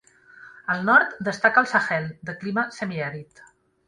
Al nord destaca el Sahel, de clima semiàrid.